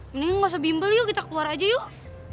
mending gak usah bimbel yuk kita keluar aja yuk